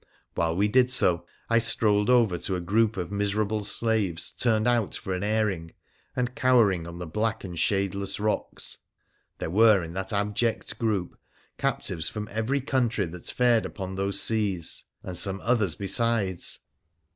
While we did so, I strolled over to a group of miserable slaves turned out for an airing, and cowering on the black and shadeless rocks. There were in that abject group captives from every country that fared upon those seas, and some others besides.